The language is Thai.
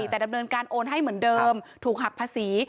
แต่ดำเนินการโอนให้เหมือนเดิมถูกหักภาษี